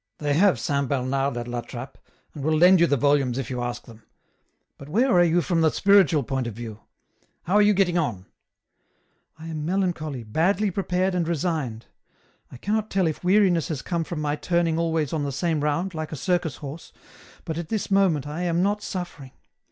" They have Saint Bernard at La Trappe, and will lend you the volumes if you ask them ; but where are you from the spiritual point of view ? How are you getting on ?"" I am melancholy, badly prepared and resigned. I can not tell if weariness has come from my turning always on the same round, like a circus horse, but at this moment I am not suffering.